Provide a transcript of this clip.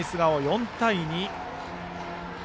４対２。